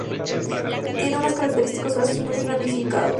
Tienen unos característicos brazos muy ramificados.